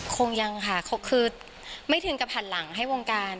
คงยังค่ะคือไม่ถึงกับหันหลังให้วงการ